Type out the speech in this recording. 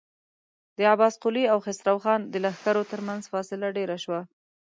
د عباس قلي او خسرو خان د لښکرو تر مينځ فاصله ډېره شوه.